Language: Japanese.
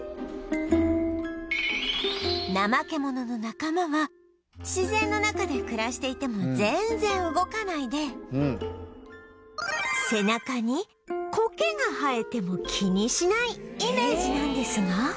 ナマケモノの仲間は自然の中で暮らしていても全然動かないで背中にコケが生えても気にしないイメージなんですが